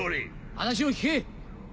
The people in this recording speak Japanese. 話を聞け！